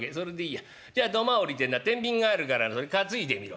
じゃ土間下りてな天秤があるからそれ担いでみろ。